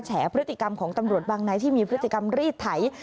แฉพฤติกรรมของตำรวจบางนายที่มีพฤติกรรมรีดไถ